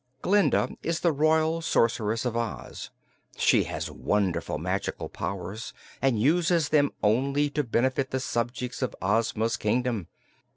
Glinda is the Royal Sorceress of Oz. She has wonderful magical powers and uses them only to benefit the subjects of Ozma's kingdom.